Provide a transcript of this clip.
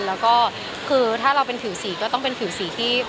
แล้วก็คือถ้าเราเป็นผิวสีก็ต้องเป็นผิวสีที่